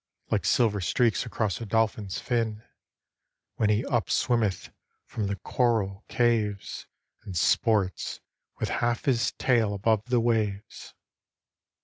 Like silver streaks across a dolphin's fin, When he upswimmeth from the coral caves, And sports with half his tail above the waves.